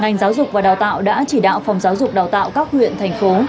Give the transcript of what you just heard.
ngành giáo dục và đào tạo đã chỉ đạo phòng giáo dục đào tạo các huyện thành phố